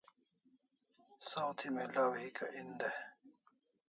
Saw thi milaw hika en day